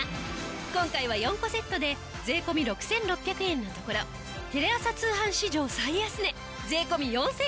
今回は４個セットで税込６６００円のところテレ朝通販史上最安値税込４９８０円。